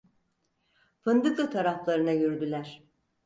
Fındıklı taraflarına yürüdüler.